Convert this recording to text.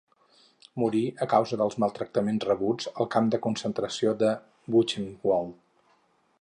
Morí, a causa dels maltractaments rebuts, al camp de concentració de Buchenwald.